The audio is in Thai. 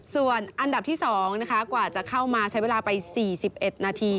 ส่วนอันดับที่๒นะคะกว่าจะเข้ามาใช้เวลาไป๔๑นาที